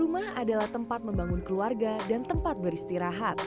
rumah adalah tempat membangun keluarga dan tempat beristirahat